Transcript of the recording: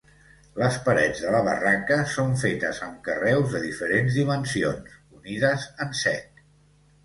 Les parets de la barraca són fetes amb carreus de diferents dimensions, unides en sec.